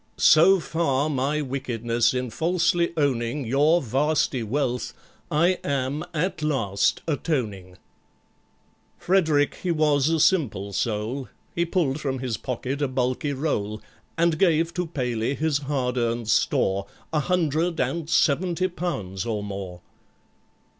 So far my wickedness in falsely owning Your vasty wealth, I am at last atoning!" FREDERICK he was a simple soul, He pulled from his pocket a bulky roll, And gave to PALEY his hard earned store, A hundred and seventy pounds or more.